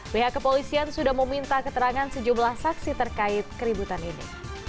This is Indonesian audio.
pihak kepolisian sudah meminta keterangan sejumlah saksi terkait keributan ini